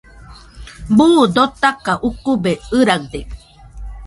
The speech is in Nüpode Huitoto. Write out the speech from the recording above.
Buu dotaka ukube ɨraɨde